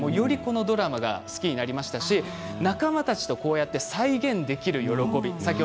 楽しくて、しかたなくてよりこのドラマが好きになりましたし仲間たちと再現できる喜び